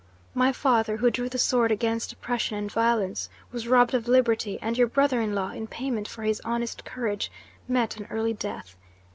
My father, who drew the sword against oppression and violence, was robbed of liberty, and your brother in law, in payment for his honest courage, met an early death.